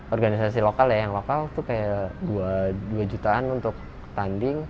organisasi lokal ya yang lokal itu kayak dua jutaan untuk tanding